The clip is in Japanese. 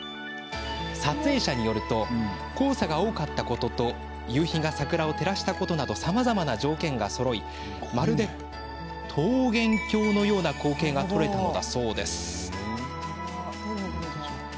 撮影者によると黄砂が多かったことと夕日が桜を照らしたことなどさまざまな条件がそろいまるで、桃源郷のような光景が撮れたのだそうです。